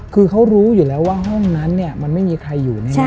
คือเขารู้อยู่แล้วว่าห้องนั้นเนี่ยมันไม่มีใครอยู่แน่